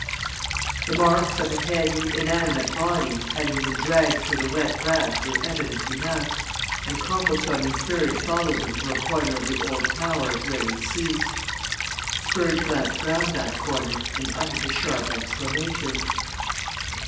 The marks of a heavy, inanimate body having been dragged through the wet grass were evidence enough, and Copplestone and Spurge followed them to a corner of the old tower where they ceased. Spurge glanced round that corner and uttered a sharp exclamation.